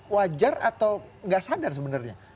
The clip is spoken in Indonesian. wajar atau nggak sadar sebenarnya